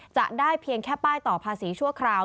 จะได้เพียงแค่ป้ายต่อภาษีชั่วคราว